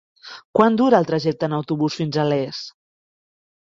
Quant dura el trajecte en autobús fins a Les?